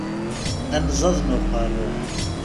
Anẓad n uqerru.